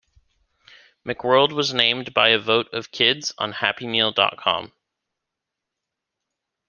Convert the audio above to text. McWorld was named by a vote of kids on happymeal dot com.